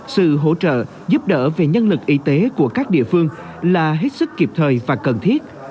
sự hỗ trợ giúp đỡ về nhân lực y tế của các địa phương là hết sức kịp thời và cần thiết